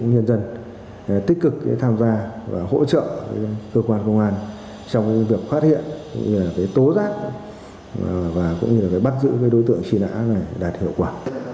nhân dân tích cực tham gia và hỗ trợ cơ quan công an trong việc phát hiện tố giác và bắt giữ đối tượng truy nã đạt hiệu quả